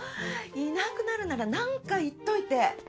いなくなるならなんか言っといて。